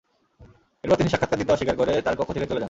এরপর তিনি সাক্ষাৎকার দিতে অস্বীকার করে তার কক্ষ থেকে চলে যান।